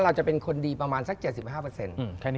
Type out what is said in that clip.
เราจะเป็นคนดีประมาณสัก๗๕เปอร์เซ็นต์